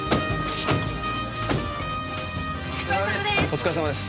お疲れさまです！